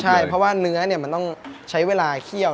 ใช่เพราะว่าเนื้อมันต้องใช้เวลาเคี่ยว